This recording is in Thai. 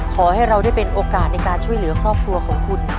ขอให้เราได้เป็นโอกาสในการช่วยเหลือครอบครัวของคุณ